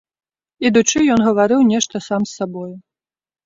Ідучы ён гаварыў нешта сам з сабою.